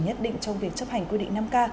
nhất định trong việc chấp hành quy định năm k